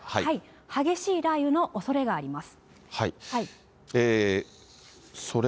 激しい雷雨のおそれがあります。